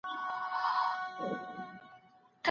ښځه حق لري چې د خپل خاوند سره مسایل مشوره کړي.